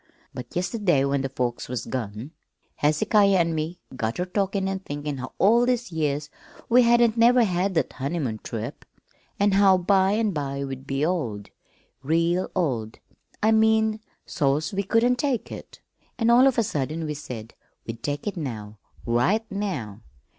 But yesterday, when the folks was gone, Hezekiah an' me got ter talkin' an' thinkin' how all these years we hadn't never had that honeymoon trip, an' how by an' by we'd be old real old, I mean, so's we couldn't take it an' all of a sudden we said we'd take it now, right now.